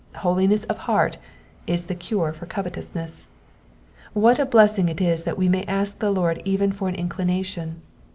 Holiness of heart is the cure for covetousness. What a blessing it is that we may ask the Lord even for an inclination.